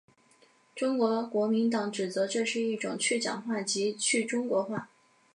中国国民党指责这是一种去蒋化及去中国化。